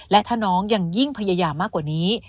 และถ้าน้องยังยิ่งพยายามมากกว่านี้